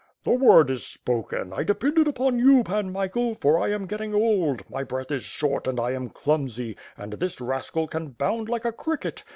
"The word is spoken. ... I depended upon you Pan Michael; for I am getting old, my breath is short and I am clumsy; and this rascal can bound like a cricket.